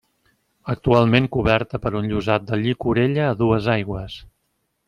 Actualment coberta per un llosat de llicorella a dues aigües.